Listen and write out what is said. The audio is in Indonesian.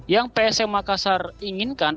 yang psm makassar inginkan